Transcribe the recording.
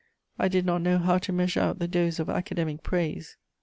I did not know how to measure out the dose of academic praise.